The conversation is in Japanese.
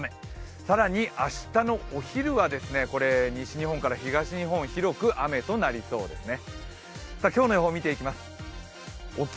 更に明日のお昼は西日本から東日本、広く雨となりそうですね。